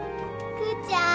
クーちゃん